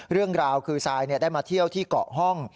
เรื่องราวคือซายได้มาเที่ยวที่เกาะห้อง